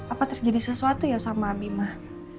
apa terjadi sesuatu ya sama ami mah